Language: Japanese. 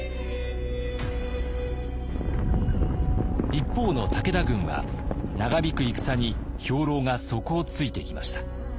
一方の武田軍は長引く戦に兵糧が底をついてきました。